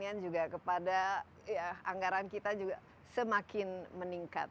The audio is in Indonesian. kemudian juga kepada anggaran kita juga semakin meningkat